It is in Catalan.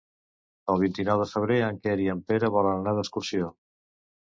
El vint-i-nou de febrer en Quer i en Pere volen anar d'excursió.